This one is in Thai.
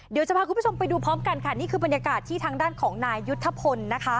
เดี๋ยวจะพาคุณผู้ชมไปดูพร้อมกันค่ะนี่คือบรรยากาศที่ทางด้านของนายยุทธพลนะคะ